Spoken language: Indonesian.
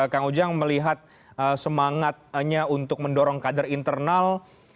kang ujang melihat semangatnya untuk mendorong kader internal